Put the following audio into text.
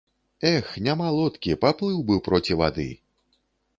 Эх, няма лодкі, паплыў бы проці вады.